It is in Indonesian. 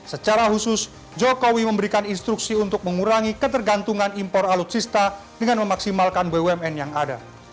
secara khusus jokowi memberikan instruksi untuk mengurangi ketergantungan impor alutsista dengan memaksimalkan bumn yang ada